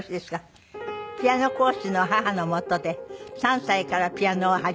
ピアノ講師の母の下で３歳からピアノを始め